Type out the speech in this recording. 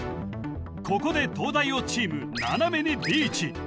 ここで東大王チーム斜めにリーチ